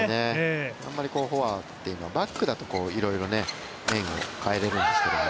あんまりフォアというのはバックだといろいろ面を変えれるんですけど。